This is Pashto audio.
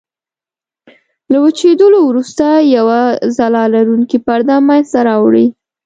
له وچېدلو وروسته یوه ځلا لرونکې پرده منځته راوړي.